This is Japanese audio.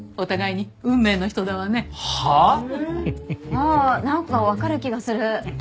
ああなんかわかる気がする。